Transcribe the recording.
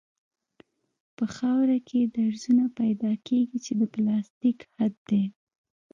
په خاوره کې درزونه پیدا کیږي چې د پلاستیک حد دی